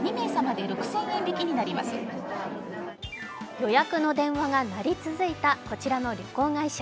予約の電話が鳴り続いたこちらの旅行会社。